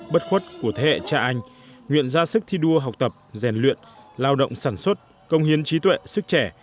bất khuất của thế hệ cha anh nguyện ra sức thi đua học tập rèn luyện lao động sản xuất công hiến trí tuệ sức trẻ